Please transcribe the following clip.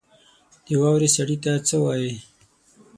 د واورې سړي ته څه وايي؟